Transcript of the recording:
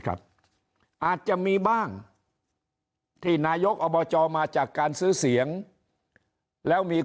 อาจจะมีบ้างที่นายกอบจมาจากการซื้อเสียงแล้วมี